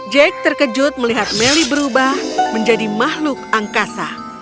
jack terkejut melihat melly berubah menjadi makhluk angkasa